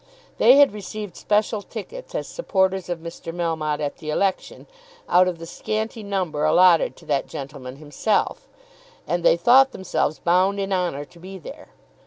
They had received special tickets as supporters of Mr. Melmotte at the election, out of the scanty number allotted to that gentleman himself, and they thought themselves bound in honour to be there.